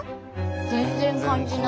全然感じない。